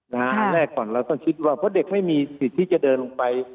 อันแรกก่อนเราต้องคิดว่าเพราะเด็กไม่มีสิทธิ์ที่จะเดินลงไป